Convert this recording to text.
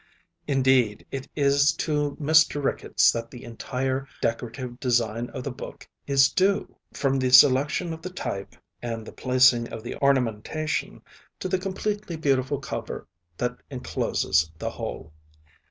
Indeed, it is to Mr. Ricketts that the entire decorative design of the book is due, from the selection of the type and the placing of the ornamentation, to the completely beautiful cover that encloses the whole.